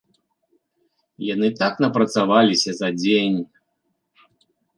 Яны так напрацаваліся за дзень.